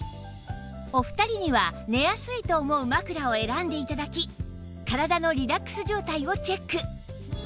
お二人には寝やすいと思う枕を選んで頂き体のリラックス状態をチェック